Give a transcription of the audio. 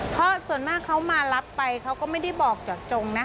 เพราะส่วนมากเขามารับไปเขาก็ไม่ได้บอกเจาะจงนะ